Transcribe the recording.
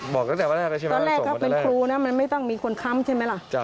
ตอนแรกเป็นครูนะมันไม่ต้องมีคนค้ำใช่ไหมล่ะ